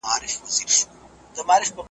یوه شېبه دي له رقیبه سره مل نه یمه .